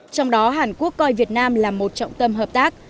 trong đó hàn quốc coi việt nam là một trọng tâm hợp tác